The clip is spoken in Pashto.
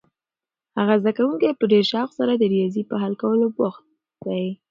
هغه زده کوونکی په ډېر شوق سره د ریاضي په حل کولو بوخت دی.